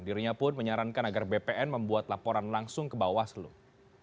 dirinya pun menyarankan agar bpn membuat laporan langsung ke bawaslu